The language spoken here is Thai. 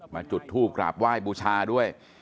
จุดทูปกราบไหว้บูชาด้วย